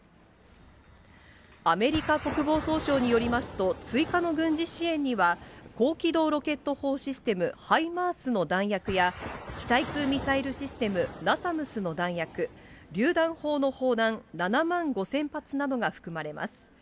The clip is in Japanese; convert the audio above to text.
アメリカ国防総省によりますと、追加の軍事支援には、高機動ロケット砲システム、ハイマースの弾薬や、地対空ミサイルシステム、ナサムスの弾薬、りゅう弾砲の砲弾７万５０００発などが含まれます。